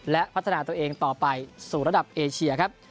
และพัฒนาตัวเองต่อไปสู่ระดับเอเชียครับ